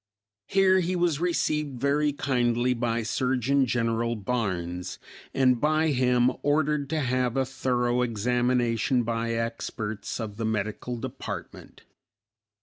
Here he was received very kindly by Surgeon General Barnes, and by him ordered to have a thorough examination by experts of the medical department.